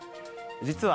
実は、